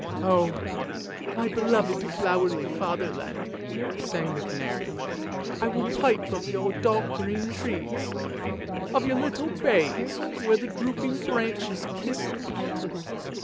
"" Oh, my beloved, flowery fatherland! " sang the canary. " I will pipe of your dark green trees, of your little bays, where the drooping branches kiss the waters.